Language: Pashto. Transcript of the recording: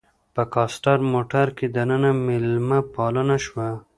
په کاسټر موټر کې دننه میلمه پالنه شوه.